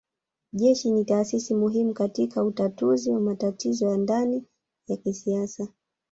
Jeshi ni taasisi muhimu katika utatuzi wa matatizo ya ndani ya kisiasa